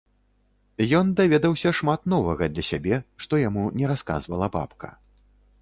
Ён даведаўся шмат новага для сябе, што яму не расказвала бабка.